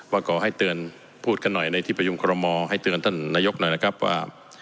ว่าขอให้เตือนพูดกันหน่อยในที่ประชุมคอรมอให้เตือนท่านนายกหน่อยนะครับว่า